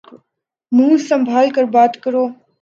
منہ سنمبھال کر بات کرو۔